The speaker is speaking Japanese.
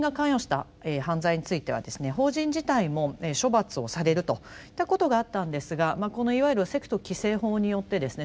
法人自体も処罰をされるといったことがあったんですがこのいわゆる「セクト規制法」によってですね